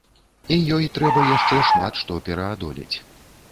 І ёй трэба яшчэ шмат што пераадолець.